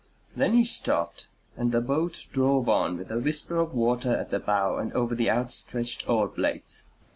Then he stopped and the boat drove on with a whisper of water at the bow and over the outstretched oar blades.